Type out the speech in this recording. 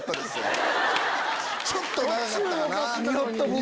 ちょっと長かったかな。